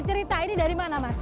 cerita ini dari mana mas